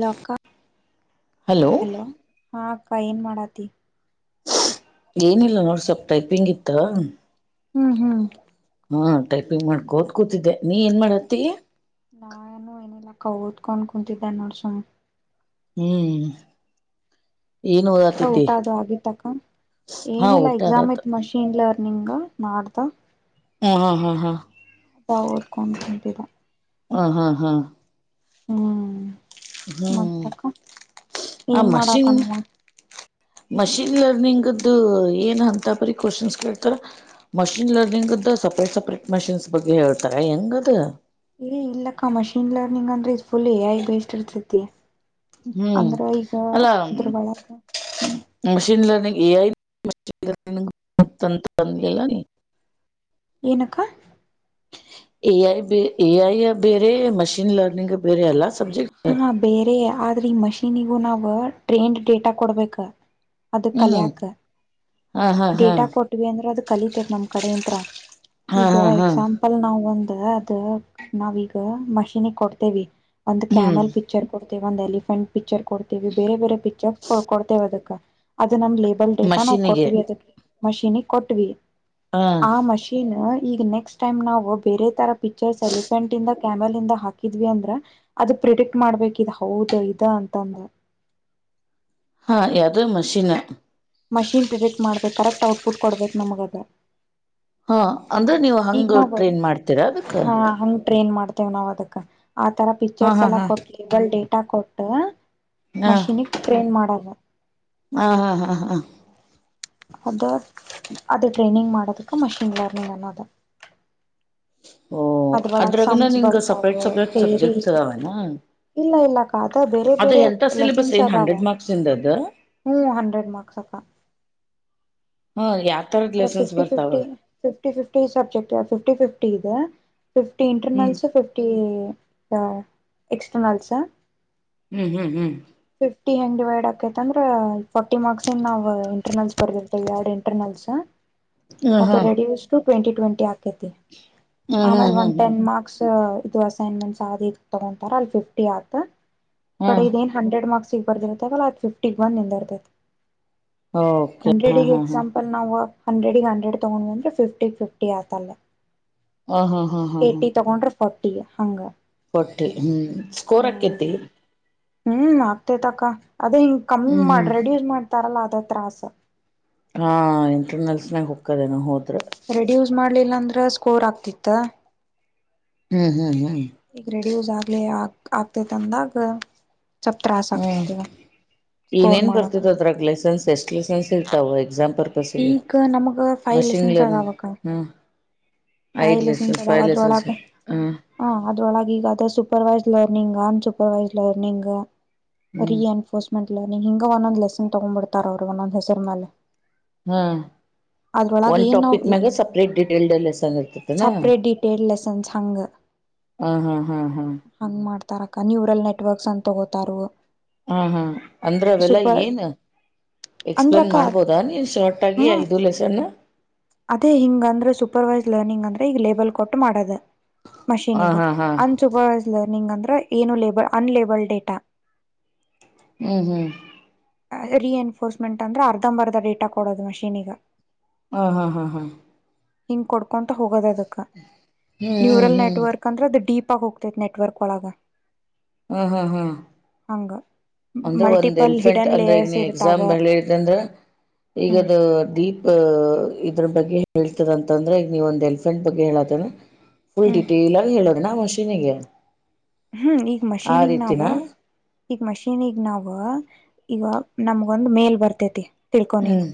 Low ಅಕ್ಕ hello ಹಾ ಅಕ್ಕ ಏನ್ ಮಾಡಾತಿ ಏನಿಲ್ಲ ನೋಡ್ ಸ್ವಲ್ಪ ಟೈಪಿಂಗ್ ಇತ್ತ ಹ್ಮ್ ಹ್ಮ್ ಹಾ ಟೈಪಿಂಗ್ ಮಾಡ್ಕೋತ ಕೂತಿದ್ದೆ ನೀ ಏನ್ ಮಾಡತ್ತೀ ನಯನು ಆಯನ ಇಲ್ಲ ಕತ್ಕ ಅನ್ಕಂತಿದ್ದ ನಡ್ಸಾಮ ಹ್ಮ್ ಏನ್ ಮತ್ತ ಓದಾತತಿ ಊಟ ಅದು ಆಗತ್ತಕ್ಕ ಹಾ ಏನಿಲ್ಲ ಊಟ ಎಕ್ಸಾಮ್ ಆದತ್ ಐತ್ ಮಷೀನ್ಲ ನಿಂಗ ನಾಡ್ದ ಹ್ಮ ಹಾ ಹಾ ಹಾ ಓದಕೊಂಡ್ಕಂತಿದೆ ಹಾ ಹಾ ಹಾ ಹ್ಮ್ ಹ್ಮ್ ಮತ್ತಕ್ಕ ಆ ಏನ್ ಮಶೀನ್ ಮಾಡಾತನವ ಮಷಿನ್ ಲರ್ನಿಂಗ್್ದು ಏನ್ ಅಂತ ಬರಿ ಕ್ವಶನ್ಸ್ ಕೇಳ್ತಾರ ಮಷಿನ್ ಲರ್ನಿಂಗ್ ಹಂಗ ಸಪ್ರೇಟ್ ಸಪ್ರೇಟ್ ಮಷಿನ್ಸ್ ಬಗ್ಗೆ ಹೇಳ್ತಾರೆ ಹೆಂಗದು ಇ ಇಲ್ಲಕ್ಕ ಮಷೀನ್ ಲರ್ನಿಂಗ್ ಅಂದ್ರೆ ಇದು ಫುಲ್ ಎಐ ಬೇಸ್ಟ್ ಇರ್ತೈತಿ ಹ್ಮ್ ಅಂದ್ರ ಈಗ ಅಲ್ಲ ಅದ್ರ ಒಳಗ ಹ್ಮ್ ಮಷಿನ್ ಲರ್ನಿಂಗ್ ಎ ಆಐತಂತ ಬಂದಲ್ಲ ಏನಕ್ಕ ಎ ಐ ಎ ಐ ಬೇರೆ ಮಷೀನ್ ಲರ್ನಿಂಗ್ ಬೇರೆ ಅಲ್ಲ ಸಬ್ಜೆಕ್ಟ್ ಹಾ ಬೇರೆ ಆದ್ರೆ ಈ ಮಷೀನಿಗೂ ನಾವ ಟ್ರೇಂಡ್ ಡೇಟಾ ಕೊಡ್ಬೇಕ ಅದ ಹ್ಮ್ ಕಲಿಯಕ್ ಹಾ ಹಾ ಹಾ ಡೇಟಾ ಕೊಟ್ವಿ ಅಂದ್ರ ಅದ ಕಲಿತರಿ ನಮ್ ಕಡೆ ಇಂತ್ರ ಹಾ ಈಗ ಹಾ ಹಾ ಎಕ್ಸಾಂಪಲ್ ನಾವವು ಒ ಅದ ನಾವೀಗ ಮಷೀನ್ಿಗೆ ಕೊಡ್ತೇವಿ ಒಂದು್ ಹ್ಮ್ ಕ್ಯಾಮಲ್ ಪಿಕ್ಚರ್ ಕೊಡ್ ಒಂದ್ ಎಲಿಫೆಂಟ್ ಪಿಕ್ಚರ್ ಕೊಡ್ತೇವಿ ಬೇರೆ ಬೇರೆ ಪಿಕ್ಚರ್ಸ್ ಕೊಡ್ತೇವೆ ಅದಕ್ಕೆ ನಮ್ ಲೇಬಲ್ ಡೇಟಾ ನಾವು ಮಷೀನಿಗೆ ಕೊಟ್ಟವಿ ಅದ ಮಷೀನ್ಿಗೆ ಕೊಟ್ವಿ ಹ ಆ ಮಷೀನ್ ಈಗ ನೆಕ್ಸ್ಟ್ ಟೈಮ್ ನಾವು ಬೇರೆ ತರ ಪಿಕ್ಚರ್ಸ್ ಎಲಿಫೆಂಟ್ ಇಂದ ಕ್ಯಾಮಂದ ಹಾಕಿದ್ವಿ ಅಂದ್ರ ಅದು ಪ್ರಿಡಿಕ್ಟ್ ಮಾಡ್ಬೇಕ ಹೌದು ಇ ಅಂತಂದ ಹಾ ಯದ ಮಷೀನ್ ಮಷೀನ್ ಪ್ರಿಡೆಕ್ಟ್ ಮಾಡ್ಬೇಕು ಕರೆಕ್ಟ್ ಔಟ್ಪುಟ್ ಕೊಡ್ಬೇಕು ನಮಗದ ಹಾ ಅಂದ್ರೆ ನೀವು ಈಗ ಹಂಗ ನಾವ ಬ ಟ್ರೈನ್ ಮಾಡ್ತೀರಾ ಅದಕ್ಕ ಹಾ ಹಂಗ ಟ್ರೈನ್ ಮಾಡ್ತ ನಾವವು ಅದಕ್ ಆತರ ಹಾ ಪಿಕ್ಚರ್ಸ್ ಹಾ ಎಲ್ಲ ಹಾ ಕೊಟ್ಲಿಲ್ ಡೇಟಾ ಕೊಟ್ಟ ಹಾ ಮಷೀನಿಿಗೆ ಟ್ರೈನ್ ಮಾಡಲ್ಲ ಹಾ ಹಾ ಹಾ ಹಾ ಅದು ಅದು ಟ್ರೈನಿಂಗ್ ಮಾಡೋದಕ್ಕೆ ಮಷಿನ್ ಲರ್ನಿಂಗ್ ಅನ್ನೋದು ಓ ಅದ್ ಒಳಗ್ ಅದ್ರಾಗನ ಸಮಜ ನಿಂಗ ಬರ್ತಾವ ಸಪ್ರೇಟ್ ಸಪ್ರೇಟ್ ೇರಿ ಸಬ್ಜೆಕ್ಟ್ಸ್ ಅದಾವನಾ ಇಲ್ಲ ಇಲ್ಲ ಕಾದ ಬೇರೆ ಅದು ಬೇರೆ ಎಂತ ಸಿಲೆಬಸ್ ಲೆಸನ್ಸ್ ಏನ್ ಅದಾವ ಹಂಡ್ರೆಡ್ ಮಾರ್ಕ್ಸ್ ಇಂದ ಅದ ಹ್ಮ್ ಹಂಡ್ರೆಡ್ ಮಾರ್ಕ್ಸ್ ಅಕ್ಕ ಹ ಯಾವ ತರದ ಅಂದ್ರ ಲೆಸನ್ಸ್ ಫಿಫ್ಟಿ ಬರ್ತಾವ fifty fifty fifty subject fifty fifty ಇದೆ ಫಿಫ್ಟಿ ಹ್ಮ್ ಇಂಟರ್ನಲ್ಸ ಫಿಫ್ಟಿ ಎಕ್ಸ್ಟರ್ನಲ್ಸ ಹ್ಮ್ ಹ್ಮ್ ಹ್ಮ್ ಫಿಫ್ಟಿ ಹೆಂಗ್ ಡಿವೈಡ್ ಆಾಕೈತ ಅಂದ್ರೆ ಫಾರ್ಟಿ ಮಾರ್ಕ್ಸ್ ಇನ್ ನಾವು ಇಂಟರ್ನಲ್ಸ್ ಬರೆದಿರ್ತವಿ ಯ ಇಂಟರ್ನಲ್ಸ್ ಹ್ಮ್ ಅದು ಹಾ ರೆಡಿು ಟ್ವೆಂಟಿ ಟ್ವೆಂಟಿ ಆ ಹ್ಮ್ ಹ್ಮ್ ಆಮೇಲೆ ಒನ್ ಹ್ಮ್ ಹ್ಮ್ ಟನ್ ಮಾರ್ಕ್ಸ್ ಇದು ಅಸೈನ್ಮೆಂಟ್ಸ್ ಯ ಇದ ತಗೊಂತಾರ ಅಲ್ಲಿ ಫಿಫ್ಟಿ ಆ ಕಡೆ ಹ್ಮ್ ಏನ್ ಡ್ ಮಾರ್ಕ್ಸ್ಗ್ ಬರ್ದಿತ್ತ ಅ್ ಫಿಫ್ಟಿ ಬಂದ ನಿಂದರ್ೈ ಓಕೆ ಹಾ ಹಂಡ್ರೆಡ್ಗೆ ಹಾ ಹಾ ಎಕ್ಸಾಂಪಲ್ ನಾವು ಹಂಡ್ರೆಡಿಗೆ ಹಂಡ್ರೆಡ್ ತೊಗೊಂಡು ಅಂದ್ರರೆ ಫಿಫ್ಟಿಗೆ ಫಿಫ್ಟಿ ಆಗತಲ್ಲ ಹಾ ಹಾ ಹಾ ಹಾ ಹಾ ಫೋಟಿ ಹಂಗ ಕೊಟ್ಟಿ ಹ್ಮ್ ಸ್ಕೋರ್ಕೇತಿ ಹ್ಮ್ ಆಗ್ತೇತಕ್ಕ ಅದೇ ಹಿಂಗ್ ಕಮ್ಮಿ ಹ್ಮ್ ಮಾಡ ಹ್ಮ್ ರೆಡಿ ಮಾಡ್ತಾರಲ್ಲ ಅದ ತತ್ರಾಸ ಹಾ ಇಂಟರ್ನೆಲ್ಸ್ ನಾಗ ಹೋಗಕ್ಕದೇ ಹದ ರೆಡ್ಯೂಸ್ ಮಾಡ್ಲಿಲ್ಲ ಅಂದ್ರ ಸ್ಕೋರ್ ಆಗ್ತಿತ್ತ ಹ್ಮ್ ಹ್ಮ್ ಹ್ಮ್ ಈಗ ರೆಡಿ ಯೂಸ್ ಆಗ್ಲಿ ಆ ಆಗ್ತೆೇತಂದಾಗ ಹ್ಮ್ ಸ್ಕೋರ್ ನೇನ್ ಮಾಡಕ ಬರ್ತದ ಅದ್ರಾಗ ಲೈಸೆನ್ಸ್ ಎಷ್ಟ್ ಲೈಸೆನ್ಸ್ ಇರ್ತಾವ ಎಕ್ಸಾಮ್ ಪರ್ಪಸ್ಗೆ ಪಕ್ ನಮ ಫೈವ್ ಮಷಿನ್ ಲಸನ್ಸ್ ಲರ್ನಿಂಗ್ ಅಾವಕ್ಕ ಹ್ಮ ಕಿ ಐದ್ ಲೆಸೆನ್ಸ್ ಲೆಸನ್ಸ್ ಅಾವ ಫೈವ್ ಲೆಸನ್ಸ್ ಅದ್ರೊಳಗ ಹ ಹ ಅದ್ರೊಳಗ ಈಗ ಅ ಸೂಪರ್ವೈಸ್ ನೀಂಗ ಅನ್ಸೂಪರ್ವೈಸ್ರ್ನಿಂಗ ರೀ ಹ್ಮ್ ಎನ್ಫೋರ್ಸ್ಮೆಂಟ್ ನೀ ಹಿಂಗ ಒಂದೊಂದ್ ಲೆಸನ್ ತಗೊ್ಂಬ ಬಿಡ್ತಾರ ಅವರು ಒಂದೊಂದ್ ಲಲೆಸರ್ ಮೇಲೆ ಹ್ಮ್ ಒಂದು್ ನಾವ್ ಟಾಪಿಕ್ ಮಾಗ ಸಪ್ರೇಟ್ ಡಿಟೇಲ್ಡ್ಲ್ಲಿಸನ್ ಇರ್ತತನಾ ಸಪ್ರೇಟ್ ಡಿಟೇಲ್ ಲೆಸನ್ಸ್ ಹಂಗ ಹ ಹಾ ಹಾ ಹಾ ಹಂಗ್ ಮಾಡ್ತಾರ ಅಕ್ಕ ನ್ಯೂರಲ್ ನೆಟ್ವರ್ಕ್ಸ್ ಅಂತ ತಗೋತಾರ ಹಾ ಹಾ ಅಂದ್ರ ಅವೆಲ್ಲಾ ಸೂಪರ್ ಏನ್ ಎಕ್ಸ್ಪ್ಲೇನ್ ಅಂದ್ರಕ್ಕ ಮಾಡ್ಬೋದಾ ನೀ ಶಾರ್ಟ್ ಆಗಿ ಹ್ಮ ಐದು ಲೆಸನ್ ಅದೇ ಹಿಂಗ ಅಂದ್ರ ಸೂಪರ್ೈಸ್ಡ್ ಲರ್ನಿಂಗ್ ಅಂದ್ರೆ ಈಗ ಲೇಬಲ್ ಕೊಟ್ಟು ಮಾಡದು ಹ ಮಷನ್ಿಗ ಹಾ ಹಾ ಅನ್ ಸೂಪರ್ವೈಸ್ಲರ್ ನೀಂಗ ಅಂದ್ರೆ ಏನು ಲೇ ಅನ್ಲೇಬಲ್ಡ್ ಡೇಟಾ ಹ್ಮ್ ಹ್ಮ್ ರಿ ಎನ್ಫೋರ್ಸ್ಮೆಂಟ್ ಅಂದ್ರೆ ಅರ್ಧಂಬರ್ಧ ಡೇಟಾ ಕೊಡೋದು ಮಷೀನ್ಿಗ ಹ್ಮ ಹಾ ಹ್ಮ ಹಾ ಹಿಂಗ್ ಕೊಡ್ಕೊಂತ ಹೋಗೋದ ಅದಕ್ಕ ಹ್ಮ್ ನ್ಯೂರಲ್ ಹ್ಮ್ ನೆಟ್ವರ್ಕ್ ಅಂದ್ರೆ ಅದು ಡೀಪ್ ತಪ್ಪ ಹೋಗತೈತ್ ನೆಟ್ವರ್ಕ್ ಒಳಗ ಹ್ಮ್ ಹ್ಮ್ ಹ್ಮ್ ಹಂಗ ಅಂದ್ರೆ ಒಂದ್ ಮಲ್ಟಿಪಲ್ ಎಲಿಫೆಂಟ್ ಹಿಡನ್ ಅಂದ್ರೆ ಈಗ ಲೇಯರ್ಸ್ ನೀ ಇರ್ತಾವ ಎಕ್ಸಾಮ್ ಬೆಿತ ಅಂದ್ರ ಹ್ಮ್ ಈಗದು ದೀಪ್ ಇದ್ರ ಬಗ್ಗೆ ಹೇತದಂತ ಅಂದ್ರೆ ಈಗ ನೀವ ಒಂದ್ ಎಲ್ಫ್ರೆಂಟ್ ಬಗ್ಗೆ ಹೇಳತೇನ ಫುಲ್ ಹ್ಮ್ ಡೀಟೇಲ್ ಆಗ ಹೇಳೋದನಾ ಮಷೀನ್ಿಗೆ ಹ್ಮ್ ಈಗ ಮಷೀನ್ಗೆ ನಾವವು ಈಗ ಮಷೀನ್ ಣಗ್ ನಾವವು ಈಗ ನಮ್ಗೊಂದ್ ಮೇಲ್ ಬರ್ತೇತಿ ತಿಳ್ಕೊ ನೀನು ಹ್ಮ್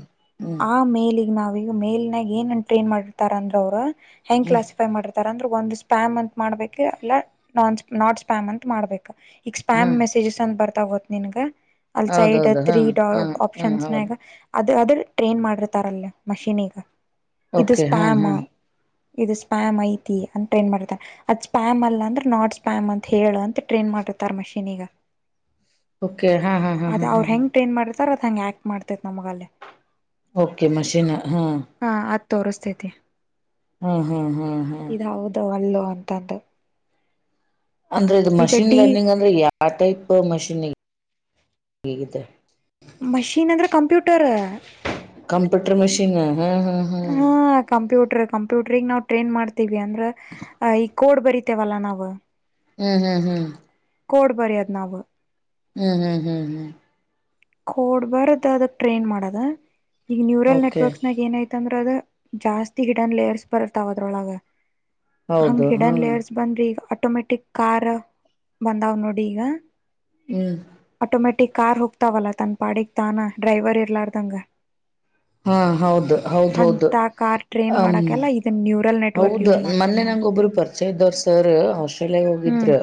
ಹ್ಮ್ ಆ ಮೇಲಿಗ್ ನಾವೀಗ ಮೇಲ್ ನ್ಯಾಗ ಏನ್ ಟ್ರೈನ್ ಮಾಡಿರ್ತಾರ ಅಂದ್ರ ಅವ್ರು ಹೆಂಗ್ ಕ್ಲಾಸಿಫೈ ಮಾಡಿತಾರೆ ಅಂದ್ರೆ ಒಂದು ಸ್ಪ್ಯಾಮ್ ಅಂತ ಮಾಡ್ಬೇಕು ಇಲ್ಲ ನಾನ್ ಸ್ಪಾಮ್ ನಾಟ್ ಸ್ಪ್ಯಾಮ್ ಅಂತ ಮಾಡ್ಬೇಕ ಈಗ ಹಾ ಸ್ಪ್ಯಾಮ್ ಮೆಸೇಜಸ್ ಅಂತ ಬರ್ತಾ ಗತ್ ನಿನ್ಗ ಅಲ್ಸೈಡ್ ಹೌದೌದು ಹಾ ೀ ಹಾ ಹಾ ಆಪ್ಷನ್ಸ್ ಹೌದು ಅದು ಅದ್ರ ಟ್ರೈನ್ ಮಾಡಿರ್ತಾರಲ್ಲೇ ಮಷೀನಿಗೆ ಇದು ಓಕೆ ಹಾ ಸ್ಪ್ಯಾಮ ಹಾ ಇದು ಸ್ಪ್ಯಾಮ್ ಐತಿ ಅಂತ ಏನ್ ಮಾಡ್ತಾರೆ ಅದ್ ಸ್ಪ್ಯಾಮ್ ಅಲ್ಲ ಅಂದ್ರೆ ನಾ ಪಪ್ಯಾಮ್ ಅಂತ ಹೇಳು ಅಂತ ಟ್ರೈನ್ ಮಾಡಿತ್ತರ್ ಮಷೀನ್ಿಗ ಓಕೆ ಹಾ ಹಾ ಹಾ ಹಾ ಅದೇ ಹಾ ಅವ್ರ ಹಾ ಹೆಂಗ್ ಟ್ರೈನ್ ಮಾಡಿರ್ತಾರ ಅದ ಹೆಂಗ ಆಕ್ಟ್ ಮಾಡ್ತೇತ್ ನಮಗಲ್ಲೇ ಓಕೆ ಮಷೀನ್ ಹಾ ಅದ್ ತೋರಿಸ್ತೈತಿ ಹ್ಮ್ ಹ್ಮ್ ಹ್ಮ್ ಹ್ಮ್ ಅಲ್ಲು ಅಂತಂದು ಅಂದ್ರೆ ಇದು ಈಗ ಮಷಿನ್ ಡಿ ಲರ್ನಿಂಗ್ ಅಂದ್ರೆ ಯಾವ ಆಟೈಪ್ ಮಷೀನ್ಗ ಮಷೀನ್ ಅಂದ್ರೆ ಕಂಪ್ಯೂಟರ್ ಕಂಪ್ಯೂಟರ್ ಮಷೀನ್ ಹಾ ಹಾ ಹಾ ಕಂಪ್ಯೂಟರಿ ನಾವ್ ಟ್ರೈನ್ ಮಾಡ್ತೀವಿ ಅಂದ್ರ ಈ ಕೋಡ್ ಬರಿತೇವಲ್ಲಾ ನಾವು ಹ್ಮ್ ಹ್ಮ್ ಹ್ಮ್ ಕೋಡ್ ಬರತ್ ನಾವ ಹ್ಮ್ ಹ್ಮ್ ಹ್ಮ್ ಹ್ಮ ಕೋಡ್ ಬಾರದ ಅದಕ್ ಟ್ರೆಂಡ್ ಮಾಡದ ಈಗ ನ್ಯೂರಲ್ ಓಕೆ ನೆಟ್ವರ್ಕ್ಸ್ ನಾಗ ಏನಐತಂದ್ರ ಜಾಸ್ತಿ ಹಿಡನ್ ಲೇರ್ಸ್ ಬರ್ತಾವ ಅದ್ರೊಳಗ ಹಂಗ್ ಹೌದು ಹಿಡನ್ ಹ್ಮ್ ಲೇಯರ್ಸ್ ಬಂದ್ರಿ ಈಗ ಆಟೋಮ್ಯಾಟಿಕ್ ಕಾರ್ ಬಂದಾವ್ ನೋಡಿ ಈಗ ಹ್ಮ್ ಆಟೋಮೆಟಿಕ್ ಕಾರ್ ಹೋಗ್ತಾವಲ್ಲ ತನ್ ಪಾಡಿಗೆ ತಾನ ಡ್ರೈವರ್ ಇರ್ಲಾರ್ದಂಗ ಹಾ ಹೌದು ಹೌದ ಹೌದು ಅಂತ ಕಾರ್ ಟ್ರೈನ್ ಹ ಮಾಡಕೆಲ್ಲ ಇದನ್ ನ್ಯೂರಲ್ ನೆಟ್ವರ್ಕ್ ಹೌದು ಯೂಸ್ ಮಾಡ್ತೇವ್ ಮೊನ್ನೆ ನಾವು ನಂಗ ಒಬ್ರು ಪರಿಚಯ ಇದ್ದವರು ಸರ್ ಔಶಲ್ಯಾಗ ಹ್ಮ್ ಹೋಗಿದ್ರ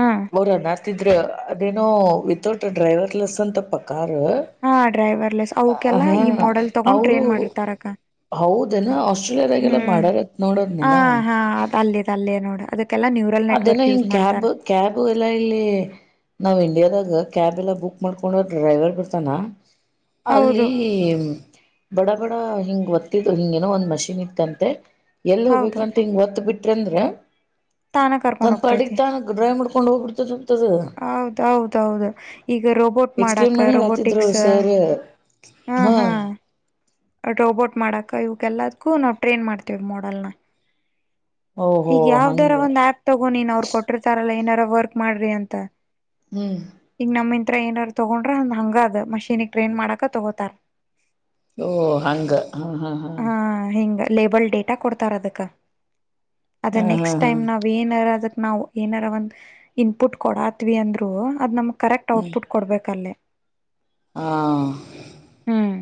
ಹಾ ಅವರ ನತಿದ್ರ ಅದೇನೋ ವಿತೌಟ್ ಅ ಡ್ರೈವರ್ಲೆಸ್ ಅಂತಪ್ಪ ಕಾರಾರ್ ಹಾ ಡ್ರೈವರ್ಲೆಸ್ ಅವಕಲ್ಲ ಈ ಮಾಡೆಲ್ ತಗೊಂಡ್ ಟ್ರೈನ್ ಮಾಡಿರ್ತಾರಕ್ಕ ಹೌದೇನಾ ಆಸ್ಟ್ರೇಲಿಯಾದಾಗೆಲ್ಲ ಹ್ಮ್ ಮಾಡಾರತ್ ನೋಡದ್ನೇನ ತಲ್ಲ ನೋಡ ಅದ ಅದೇನ ಹಿಂಗ ಕ್ಯಾಬ್ ಕ್ಯಾಬ್ ಎಲ್ಲಾ ಇಲ್ಲಿ ನಾವ್ ಇಂಡಿಯಾದಾಗ ಕ್ಯಾಬ್ ಎಲ್ಲ ಬುಕ್ ಮಾಡ್ಕೊಂಡ ಡ್ರೈವರ್ ಬಿಡ್ತಾನ ಹೌದು ಅಲ್ಲಿ ಬಡ ಡ ಹಿಂಗ ಒತ್ತಿದ್ ಹಿಂಗ ಏನೋ ಒಂದ ಮಷೀನ್ ಇತ್ತಂತೆ ಎಲ್ಲಿ ಹೌದು ಹೋಗಬೇಕಂತ ಹಿಂಗ ಒತ್ತತ್ ಬಿಟ್ಟ ಅಂದ್ರೆ ತಾನ ಕರ್ಕೊಂಡ್ ತನ್ ಪಡಿಗೆ ತಾನ ಡ್ರಾಯ್ ಮಾಡ್ಕೊಂಡ್ ಹೋಗ್ಬಿಡ್ತದ ಹೌದೌದೌದು ಈಗ ರೋಬೋಟ್ ಎಕ್ಸ್ಪ್ಲೇನ್ ಮಾಡಾಕ ಮಾಡಿ ಹೇಳತ್ತಿದ್ರು ರೋಬೋಟಿಕ್ಸ್ ಸರ್ ಹ್ಮ್ ಹಾ ಹ್ಮ್ ರೋಬೋಟ್ ಮಾಡಕ ಇವಗೆಲ್ಲದಕ್ಕೂ ನಾವು ಟ್ರೈನ್ ಮಾಡ್ತೇವಿ ಮಾಡಲ್ನ ಓಹೋ ಈಗ ಯಾವ್ದಾರ ಹಂಗೆ ಒಂದ್ ಆ್ಯಪ್ ತಗೊಂಡ ನೀನ್ ಅವರು ಕೊಟ್ಟಿರ್ತಾರಲ್ಲ ಏನಾರ ವರ್ಕ್ ಮಾಡ್ರಿ ಅಂತ ಹ್ಮ್ ಟ್ರೈನರ್ ತಗೊಂಡ್ರ ಹಂಗದ ಮಷೀನಿಗ್ ಟ್ರೈನ್ ಮಾಡಕ ತಗೋತಾರ ಓ ಹಂಗ ಹ್ಮ್ ಹ್ಮ ಹ್ಮ್ ಹಾ ಹಿಂಗ ಲೇಬಲ್ ಡೇಟಾ ಕೊಡ್ತಾರ ಅದಕ್ಕೆ ಅದ ಹಾ ಹಾ ನೆಕ್ಸ್ಟ್ ಹಾ ಟೈಮ್ ನಾವವು ಏನಾರ ಅದಕ್ಕೆ ನಾವವು ಏನಾರ ಒಂದ್ ಇನ್ಪುಟ್ ಕೊಡಾತ್ವಿ ಅಂದ್ರು ಅದ್ ನಮ್ ಕರೆಕ್ಟ್ ಹ್ಮ್ ಔಟ್ಪುಟ್ ಕೊಡ್ಬೇಕಲ್ಲೇ ಹಾ ಹ್ಮ್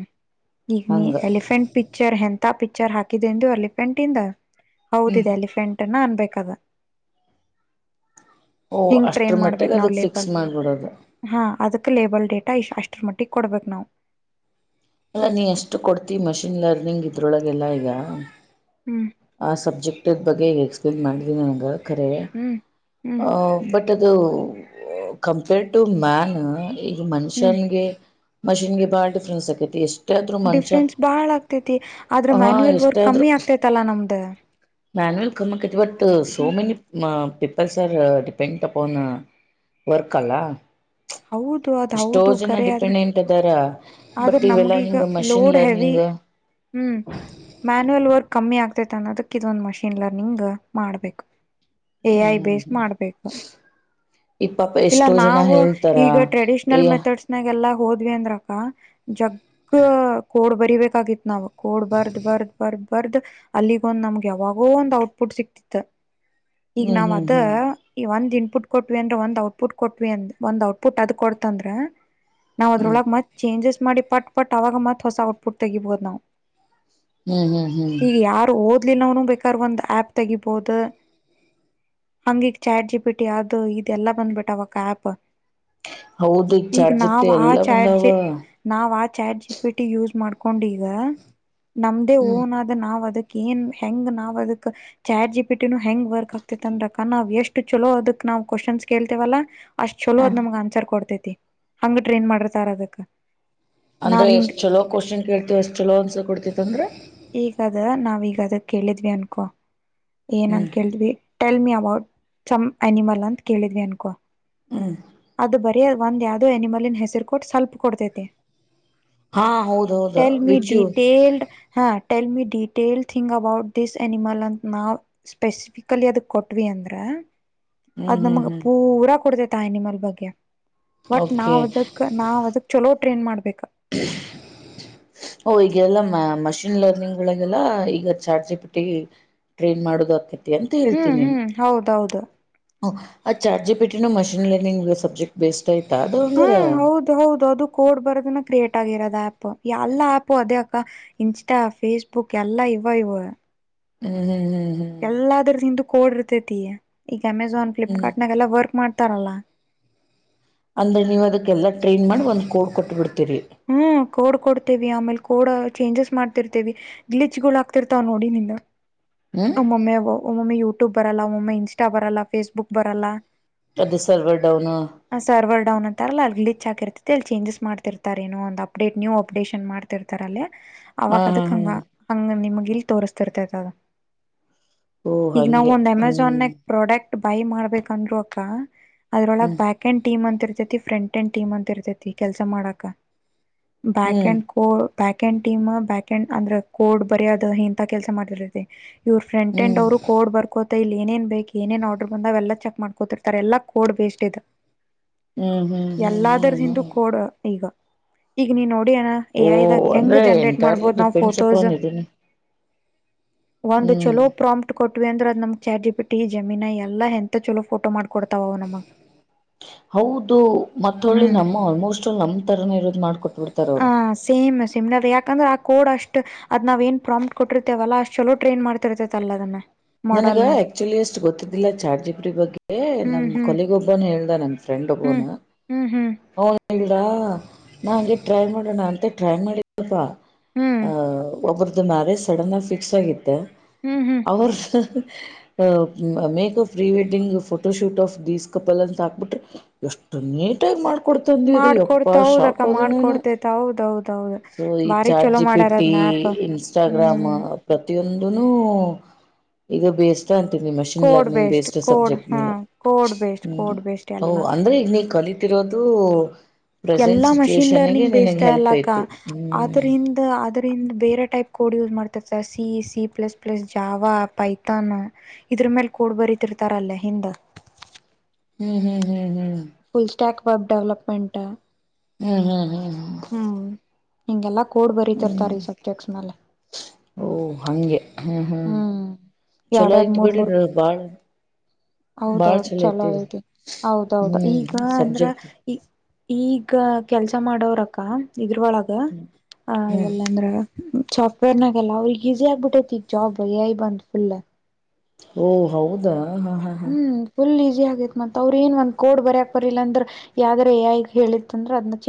ಈಗ ನೀ ಹಂಗ ಎಲಿಫೆಂಟ್ ಪಿಕ್ಚರ್ ಎಂತ ಪಿಕ್ಚರ್ ಹಾಕಿದೆಂದು ಎಲಿಫೆಂಟ್ ಇಂದ ಹ್ಮ್ ಹೌದಿದೆ ಎಲಿಫೆಂಟ್ನ್ನ ಅನ್ಬೇಕದ ಓ ಹಿಂಗ ಅಷ್ಟ್ರ ಟ್ರೈನ್ ಮಾಡ್ಬೇಕ ಮಟ್ಟಿಗೆ ನ ಅದಕ್ಕೆ ಫಿಕ್ಸ್ ಲೇಬಲ್ ಮಾಡಿಬಿಡೋದು ಹ ಲೇಬಲ್ ಡೇಟಾ ಅಷ್ಟರ ಮಟ್ಟಿಗೆ ಕೊಡ್ಬೇಕು ನಾವು ಅಲ್ಲ ನೀ ಎಷ್ಟು ಕೊಡ್ತಿ ಮಷಿನ್ ಲರ್ನಿಂಗ್ ಇದ್ರೊಳಗೆಲ್ಲಾ ಈಗ ಹ್ಮ್ ಆ ಸಬ್ಜೆಕ್ಟ್ದ ಬಗ್ಗೆ ಈಗ ಎಕ್ಸ್ಪ್ಲೇನ್ ಮಾಡಿದನಿ ನನಗೆ ಖರೆ ಹ್ಮ್ ಹ್ಮ್ ಬಟ್ ಅದು ಕಂಪೇರ್ ಟು ಮ್ಯಾನ್ ಈಗ ಹ್ಮ್ ಮನುಷ್ಯನ್ಗೆ ಮಷೀನ್ಗೆ ಬಾಳ ಡಿಫ್ರೆನ್ಸ್ ಆಕೈತಿ ಎಷ್ಟು ಡಿಫೆನ್ಸ್ ಬಾಳ ಆಗ್ತೈತಿ ಆದ್ರೆ ಹಾ ಮ್ಯಾನ್ಯಯಲ್ ವರ್ಕ್ ಕಮ್ಮಿ ಆಗ್ತೈತಲ್ಲಾ ನಮ್ದ ಮ್ಯಾನುವಲ್ ಕಮ್ಮಕ್ಕತಿ ಬಟ್ ಸೋ ಹ್ಮ್ ಮೆನಿ ಇಪ್ಪತ್ತು ಸಾವಿರ ಡಿಪೆಂಡ್ ಅಪನ್ ವರ್ಕ ಅಲ್ಲಾ ಹೌದು ಅದ್ ಎಷ್ಟೋ ಹೌದು ಜನ ಕರೆ ಆದ್ರೆ ಡಿಪೆಂಡೆಂಟ್ ಇದದಾರ ಆದ್ರ ಬಟ್ ಇವೆಲ್ಲಾ ನಮ್ಗೀಗ ಹಿಂಗ ಮಷಿನ್ ಲೋಡ್ ಹೆವಿ ಲರ್ನಿಂಗ್ ತ್ತೆ ಹ್ಮ್ ಮ್ಯಾನವಲ್ ವರ್ಕ್ ಕಮ್ಮಿ ಆಗ್ತೈತೆ ಅನ್ನದಕ್ಕ ಇದೊಂದು ಮಷಿನ್ ಲರ್ನಿಂಗ್ ಮಾಡ್ಬೇಕು ಎ ಐ ಬೆಸ್ ಮಾಡ್ಬೇಕು ಈ ಪಾಪ ಇಲ್ಲ ಎಷ್ಟೋ ಜನ ನಾವು ಹೇಳ್ತಾರ ಈಗ ಏ ಟ್ರೆಡಿಷ್ನಲ್ ಮೆಥಡ್ಸ್ನಾಗೆಲ್ಲ ಹೋದ್ವಿ ಅಂದ್ರಕ್ಕ ಜಗ್ ಕೋಡ್ ಬರಿಬೇಕಾಗಿತ್ ನಾವು ಕೋಡ್ ಬರ್ದ್ ಬರ್ದ್ ಬರ್ದ್ ಬರ್ದ್ ಅಲ್ಲಿಗ ಒಂದ್ ನಮ್ಗೆ ಯಾವಾಗೋ ಒಂದ್ ಔಟ್ಪುಟ್ ಸಿಕ್ತಿತ್ತ ಈಗ ಹ್ಮ್ ನಾವ್ ಹ್ಮ್ ಅದ ಹ್ಮ್ ಈಗ ಒಂದ್ ಇನ್ಪುಟ್ ಕೊಟ್ವಿ ಅಂದ್ರೆ ಒಂದ್ ಔಟ್ಪುಟ್ ಕೊಟ್ವಿ ಅಂದ ಒಂದ್ ಔಟ್ ಟ್ಟ ಅದ ಕೊಡ್ತಂದ್ರ ನಾವ್ ಹ್ಮ್ ಅದ್ರೊಳ ಮತ್ತ ಚೇಂಜಸ ಮಾಡಿ ಪಟ್ ಪಟ್ ಅವಾಗ ಮತ್ತ ಹೊಸ ಔಟ್ಪುಟ್ ತಗಿಬಹುದು ನಾವು ಹ್ಮ್ ಹ್ಮ್ ಹ್ಮ್ ಇಲ್ಲಿ ನಾನು ಬೇಕಾದ ಒಂದು ಆಪ್ ತೆಗಿಬಹುದು ಹಂಗೀಗ ಚಾಟ್ ಜಿ ಪಿ ಟಿ ಅದು ಇದೆಲ್ಲ ಬಂದ್ಬಿಟ್ಟ ಅವಕ್ಕ ಆಪ್ ಹೌದು ಈಗ ಚಾಟ್ ಜಿಪ್ಟಿ ನಾವ್ ಆ ಎಲ್ಲಾ ಬಂದಾವ ಚಾಟಜಿ ನಾವ್ ಆ ಚಾಟ್ ಜಿ ಪಿಟಿ ಯೂಸ್ ಮಾಡ್ಕೊಂಡ್ ಈಗ ನಮ್ದೇ ಹ್ಮ್ ಓನ್ ಆದ ನಾವ್ ಅದಕ್ಕೆ ಏನ್ ಹೆಂಗ್ ನಾವ್ ಅದಕ್ ಚಾಟ ಜಿ ಪಿಟಿನು ಹೆಂಗ್ ವರ್ಕ್ ಆಗ್ತಿತ್ ಅಂದ್ರಕ್ಕ ನಾವ್ ಎಷ್ಟ ಚಲೋ ಅದಕ್ ನಾವ ಕ್ವಶನ್ಸ್ ಕೇಳತೇವಲ್ಲ ಅಷ್ಟ ಚಲೋ ಹ ಅದ್ ನಮಗ್ ಆನ್ಸರ್ ಕೊಡ್ತೈತಿ ಹಂಗ ಟ್ರೈನ್ ಮಾಡಿರ್ತಾರ ಅದಕ್ ಅಂದ್ರ ನಾವ್ ಎಷ್ಟ್ ಹಿಂಗ್ ಚಲೋ ಕ್ವಶನ್ ಕೇಳ್ತವ ಎಷ್ಟ್ ಚಲೋ ಅನ್ಸರ್ ಕೊಡ್ತೈತಿ ಅಂದ್ರ ಈವಾಗದ ಕೇಳಿದ್ವಿ ಅನ್ಕೋ ಏನಂದ ಹ್ಮ್ ಕೇಳಿದ್ವಿ ಟೇಲ್ಮಿ ವಾಟ್ ಸಂ ಅನಿಮಲ್ ಅಂತ ಕೇಳಿದ್ವಿ ಅನ್ನಕೋ ಹ್ಮ್ ಅದು ಬರೀ ಒಂದ್ ಯಾವ್ದೋ ಆನಿಮಲಿನ ಹೆಸರು ಕೊಟ್ಟು ಸ್ವಲ್ಪ ಕೊಡ್ತೈತೆ ಹಾ ಹೌದೌದು ಟೆಲ್ಮಿ ವಿಚ್ ಯು ಡೀಟೆಲ್ಡ್ ಹಾ tell me detail thing about this animal ಅಂತ ನಾವು ಸ್ಪೆಸಿಫಿಕಲಿ ಅದ ಕೊಟ್ವಿ ಅಂದ್ರ ಹ್ಮ್ ಅದ್ ಹ್ಮ್ ನಮಗ್ ಹ್ಮ್ ಪೂರಾ ಕೊಡತೈತಿ ಆ ಆನಿಮ್ಮಲ್ ಬಗ್ಗೆ ವಟ್ ಓಕೆ ನಾವದಕ್ ನಾವದಕ್ ಚಲೋ ಟ್ರೈನ್ ಮಾಡ್ಬೇಕ ಓ ಈಗೆಲ್ಲ ಮ ಮಷಿನ್ ಲರ್ನಿಂಗ್ಗಳಿಗೆಲ್ಲ ಈಗ ಚಾಟ ಜಿಪಿಟ್ಟಿ ಟ್ರೈನ್ ಮಾಡೋದು ಆಕತಿ ಅಂತ ಹ್ಮ್ ಹೇಳ್ತೀನಿನ ಹ್ಮ್ ಹೌದೌದು ಆ ಚಾಟ ಜಿಪಿಟಿನು ಮಷೀನ್ ಲರ್ನಿಂಗ್ ಸಬ್ಜೆಕ್ಟ್ ಬೇಸ್ ಹಾ ಹೌದು ಹೌದು ಅದು ಕೋಡ್ ಬರದನ್ನ ಕ್ರಿಯೇಟ್ ರೋದ ಆ್ಯಪ್ ಎಲ್ಲ ಆ್ಯಪು ಅದೇ ಅಕ್ಕ ಇನ್ಸ್ಟಾ ಫೇಸ್ಬುಕ್ ಎಲ್ಲಾ ಇವ ಇವು ಹ್ಮ್ ಹ್ಮ್ ಹ್ಮ್ ಎಲ್ಲಾದರದ ಹಿಂದು ಕೋಡ್ ಇರ್ತೈತಿ ಈಗ ಅಮೆಝಾನ್ ಹ್ಮ್ ಹ್ಮ್ ಫ್ಲಿಪ್ಕಾರ್ಟ್ನಾಗೆಲ್ಲ ವರ್ಕ್ ಮಾಡ್ತ ತರಲ ಅಂದ್ರೆ ನೀವು ಅದಕ್ಕೆೆಲ್ಲ ಟ್ರೈನ್ ಮಾಡಿ ಒಂದ ಕೋಡ್ ಕೊಟ್ಟ ಬಿಡ್ತೀವಿ ಹ್ಮ್ ಕೂಡ್ ಕೊಡ್ ಆಮೇಲೆ ಕೋಡ ಚೇಂಜಸ್ ಮಾಡ್ತಿರ್ತೇವಿ ಗ್ಲಿಚ್ ಗಳು ಆಗ್ತಿರ್ತಾವ ನೋಡಿ ನಿನ್ನ ಹ್ಮ್ ಒಮ್ಮೊಮ್ಮೆ ಒಮ್ಮೊಮ್ಮೆ ಯೂಟ್ಯೂಬ್ ಬರಲ್ಲ ಒಮ್ಮೊಮ್ಮೆ ಇನ್ಸ್ಟಾ ಬರಲ್ಲ ಫೇಸ್ಬುಕ್ ಬರಲ್ಲ ಅದು ಸರ್ವರ್ ಡೌನ್ ಹಾ ಹ ಸರ್ವರ್ ಡೌನ್ ಅಂತಾರಲ್ಲ ಗ್ಲಿಚ ಹಾಕಿರ್ತ್ತ ಚೇಜಸ್ ಮಾಡ್ತಿರ್ತಾರ ಏನೋ ಒಂದು ಅಪ್ಡೇಟ ನ್ಯೂ ಅಪ್ಡೇಷನ್ ಮಾಡ್ತಿರ್ತಾರ ಅಲ್ಲಿ ಅವಾಗ ಹಾ ಅದಕ್ ಹಾ ಹಂಗ ಹಂಗ ನಿಮಗ ಇಲ್ ತೋರ್ಸ್ತಿರ್ತತ ಅದ ಓ ಈಗ ನಾವು ಹಂಗೆ ಒಂದ್ ಹ್ಮ್ ಅಮೆಝಾನಾಗ ಪ್ರಾಡಕ್ಟ್ ಬೈ ಮಾಡ್ಬೇಕಂದ್ರು ಅಕ್ಕ ಅದ್ರೊಳಗ್ ಹ್ಮ್ ಬ್ಯಾಕ್ ಆಂಡ್ ಟೀಮ್ ಅಂತ ಇರ್ತೈತಿ ಫ್ರೆಂಡ್ಟಂಡ ಟೀಮ್ ಅಂತ ಇರ್ತೈತಿ ಕೆಲಸ ಮಾಡಾಕ back hmm hmm and code back and team back and ಅಂದ್ರ ಕೋಡ್ ಬರೇದ ಇಂತ ಕೆಲ್ಸ ಮಾಡಿರ್ತಿ ಇವ್ರ ಫ್ರೆಂಟೆಂಡ ಹ್ಮ್ ಅವರು ಕೋಡ್ ಬರ್ಕೋತ್ ಇಲ್ಲಿ ಏನೇನ್ ಬೇಕ್ ಏನೇನ್ ಆರ್ಡರ್ ಬಂದವ ಎಲ್ಲಾ ಚೆಕ್ ಮಾಡ್ಕೋತಿರ್ತಾರೆ ಎಲ್ಲ ಕೋಡ್ ಬೇಸ್ಡ ಇದು ಹ್ಮ್ ಹ್ಮ್ ಹ್ಮ್ ಎಲ್ಲಾದರದಿಂದ ಹ್ಮ್ ಕೋಡ ಈಗ ಈಗ ನೀನ್ ನೋ ನೋಡಿ ಏನು ಎ ಓ ಐ ದಾಗ ಹೆಂಗ್ ಅಂದ್ರೆ ಜನ್ರೇಟ್ ಎಂಟೈರ್ಲಿ ಮಾಡ್ಬೋದು ನಾವ್ ಡಿಪೆಂಡ್ಸ್ ಫೋಟೋಸ್ ಅಪಾನ್ ಇದನ್ನ ಒಂದು ಹ್ಮ್ ಚಲೋ ಪ್ರಾಮ್ಪ್ಟ್ ಕೊಟ್ವಿ ಅಂದ್ರ ನಮ್ ಚಾಟ್ ಜಿಪಿಟಿ ಜೇಮಿನಾಯಿ ಎಲ್ಲಾ ಎಂತ ಚಲೋ ಫೋಟೋ ಮಾಡ್ ಹೌದು ಮತ್ತಳ್ಳೆ ನಮ್ಮ ಆಲ್ಮೋಸ್ಟ್ ಆಲ್ ನಮ್ ತರನೇ ಇರುತ್ ಹಾ ಸೇಮ್ ಸಿಮ್ನರ್ ಯಾಕಂದ್ರೆ ಆಕ್ ಕೋಡ್ ಅಷ್ಟ್ ಅದ್ ನಾವೇನ್ ಪ್ರಾಮ್ಪ್ಟ್ ಕೊಟ್ಟಿರ್ತೇವಲ್ಲಾ ಅಷ್ಟ್ ಚಲೋ ಟ್ರೈನ್ ಮಾಡ್ತಿರ್ತೈತ ಅಲ್ಲದನ್ನ. ನನಗ ಆಕ್ಚುಲಿ ಅಷ್ಟು ಗೊತ್ತಿದ್ದಿಲ್ಲ ಚಾಟ್ ಜಿಪಿಟಿ ಬಗ್ಗೆ ಹ್ಮ್ ನಮ್ ಹ್ಮ್ ಕೊಲೀಗೊಬ್ಬನ್ ಹೇಳ್ದ ನನ್ ಫ್ರೆಂಡ್ ಹ್ಮ್ ನ ಹ್ಮ್ ಹ್ಮ್ ಅವನಡಾ [unintelligible] ನಾ ಹಂಗೆ ಟ್ರೈ ಮಾಡೋಣ ಅಂತ ಟ್ರೈ ಮಾಡಿದ್ನಪ್ಪಾ ಹ್ಮ್ ಅ ಒಬ್ರ್ ದು ಮ್ಯಾರೇಜ್ ಸಡನ್ ಆಗ್ ಫಿಕ್ಸ್ ಆಗಿತ್ತ. ಹ್ಮ್ ಹ್ಮ್. Makeup pre wedding photo shoot of these couple ಅಂತ ಹಾಕ್ಬಿಟ್ರೆ. ಅಷ್ಟು ನೀಟಾಗಿ ಮಾಡ್ ಕುಡ್ತಂದ ಅದು ಮಾಡ್ಕೊಡ್ತ ಯಪ್ಪ ಹೌದಕ್ಕ ಶಾಕ್ ಆದೆ ನಾನ್ ಮಾಡ್ಕೊಡ್ತೇತ ಹೌದೌದೌದು ಸೋ ಈ ಬಾರಿ ಚಾಟ್ ಚಲೋ ಮಾಡ್ಯಾರದ್ ಜಿಪಿಟಿ ನ ಈ ಆ್ಯಪ್ ಇನ್ಸ್ಟಾಗ್ರಾಮ್ ಹ್ಮ್ ಪ್ರತಿಯೊಂದುನು ಈಗ ಬೇಸ್ ಅಂತಿನಿ machine code learning based code subject ಹಾ ಮೇಲೆ ಕೋಡ್ ಬೇಸ್ಡ್ ಕೋಡ್ ಬೇಸ್ಡ್ ಎಲ್ಲ ಒಹ್ ಅಂದ್ರೆ ಈಗ ನೀ ಕಲಿತ್ ತಿರೋದು ಎಲ್ಲಾ ಮಷಿನ್ ಲರ್ನಿಂಗ್ ಬೇಸ್ಡ್ ಅಲ್ಲಾಕ್ಕ ಐತಿ ಹ್ಮ್ ಆದ್ರಿಂದ ಅದಕ್ ರಿಂದ್ ಬೇರೆ ಟೈಪ್ ಕೋಡ್ ಯೂಸ್ ಮಾಡ್ತರ್ ಸಿ ಇ C plus plus Java Python ಇದ್ [unintelligible] ಕೋಡ್ ಬರಿತಿರ್ತಾರ ಅಲ್ಲಿ ಹಿಂದ. ಹ್ಮ್ ಹ್ಮ್ ಹ್ಮ್ ಹ್ಮ್. ಫುಲ್ ಸ್ಟ್ಯಾಕ್ ವೆಬ್ ಡೆವಲಪ್ಮೆಂಟ್ ಹ್ಮ್ ಹ್ಮ್ ಹ್ಮ್. ಹ್ಮ್ ಹಿಂಗೆಲ್ಲಾ ಕೋಡ್ ಬರೀತಿರ್ತಾರ ಈ ಸಬ್ಜೆಕ್ಟ್ಸ್ ಮೇಲೆ. ಓಹ್ ಹಂಗೆ ಹ್ಮ್ ಹ್ಮ್ ಚಲೋ ಎರಡೆರಡ್ ಆಯ್ತು ಮೂರ್ ಬಿಡ್ರಿ ಮೂರ್ ನಮ್ ಬಾಳ್. ಹೌದೌದು ಚಲೋ ಐತಿ ಹೌದೌದು ಹ್ಮ್ ಈಗ ಅಂದ್ರ ಸಬ್ಜೆಕ್ಟ್ ಈ ಈಗ ಕೆಲ್ಸ ಮಾಡೋವ್ರಕ್ಕ. ಇದ್ರ್ ಒಳಗ ಆ ಹ್ಮ್ ಎಲ್ಲಂದ್ರ ಸಾಫ್ಟ್ವೇರ್ನಾಗೆಲ್ಲ ಅವ್ರಿಗ್ ಈಸಿ ಆಗ್ಬಿಟ್ಟೈತಿ ಈಗ ಜಾಬ್ ಎ ಐ ಬಂದ್ ಫುಲ್. ಓ ಹೌದಾ. ಹಾ ಹಾ ಹಾ ಹ್ಮ್ ಫುಲ್ ಈ ಆಗತ್ ಅವ್ರ ಏ ಒಂದ್ ಕೋಡ್ ಬರಕಕ್ ಬರಲಿಲ್ಲ ಅಂದ್ರ ಯದ್ರೆ ಹೇಳಿತ್ತ ಅಂದ್ರ ಅದ್ [unintelligible]